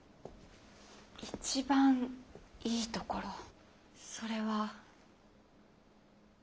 一番いいところそれは。